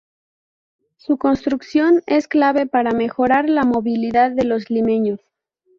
Su construcción es clave para mejorar la movilidad de los limeños.